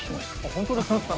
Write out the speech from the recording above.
本当ですか？